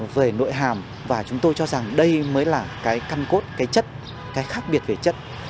về nội hàm và chúng tôi cho rằng đây mới là cái căn cốt cái chất cái khác biệt về chất